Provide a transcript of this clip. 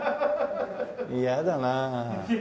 嫌だな。